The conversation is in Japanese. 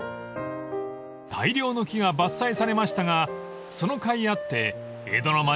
［大量の木が伐採されましたがそのかいあって江戸の町は復興］